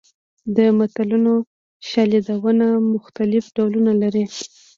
د متلونو شالیدونه مختلف ډولونه لري